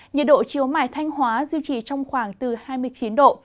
nhiệt độ chiều mai thanh hóa duy trì trong khoảng từ hai mươi chín độ